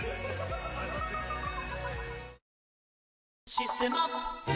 「システマ」